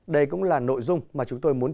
đây cũng là nội dung mà chúng tôi muốn